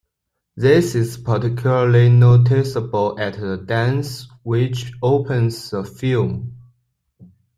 This is particularly noticeable at the dance which opens the film.